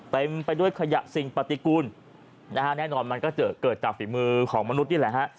เต็มไปด้วยขยะสิ่งปฏิกูลนะฮะแน่นอนมันก็จะเกิดจากฝีมือของมนุษย์นี่แหละฮะ